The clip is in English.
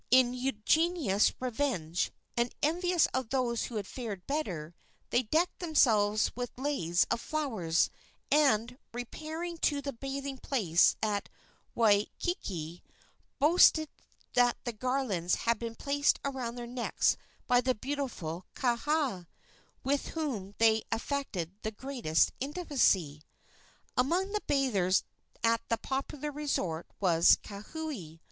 In ungenerous revenge, and envious of those who had fared better, they decked themselves with leis of flowers, and, repairing to the bathing place at Waikiki, boasted that the garlands had been placed around their necks by the beautiful Kaha, with whom they affected the greatest intimacy. Among the bathers at that popular resort was Kauhi.